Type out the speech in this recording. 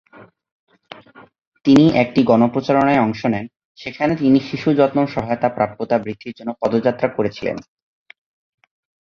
তিনি একটি গণ প্রচারণায় অংশ নেন, সেখানে তিনি শিশু যত্ন সহায়তা প্রাপ্যতা বৃদ্ধির জন্য পদযাত্রা করেছিলেন।